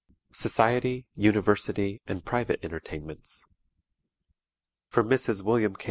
SOCIETY, UNIVERSITY AND PRIVATE ENTERTAINMENTS For Mrs. William K.